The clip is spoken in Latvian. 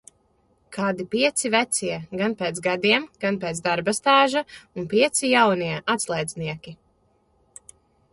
"Kādi pieci vecie, gan pēc gadiem, gan pēc darba stāža un pieci "jaunie" atslēdznieki."